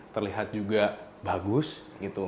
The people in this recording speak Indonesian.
terlihat juga bagus gitu